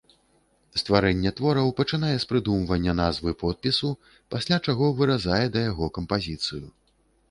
Стварэнне твораў пачынае з прыдумвання назвы-подпісу, пасля чаго выразае да яго кампазіцыю.